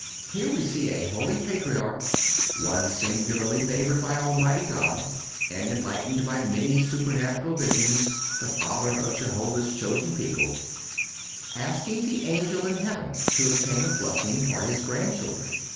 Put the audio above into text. (193) Here we see a holy Patriarch—one singularly favored by Almighty God, and enlightened by many supernatural visions, the father of Jehovah's chosen people—asking the angel in heaven to obtain a blessing for his grandchildren.